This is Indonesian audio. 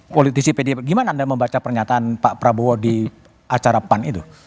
politisi pdip gimana anda membaca pernyataan pak prabowo di acara pan itu